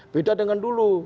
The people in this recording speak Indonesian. beda dengan dulu